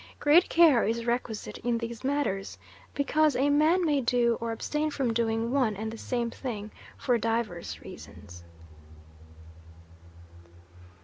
Great care is requisite in these matters, because a man may do or abstain from doing one and the same thing for divers reasons.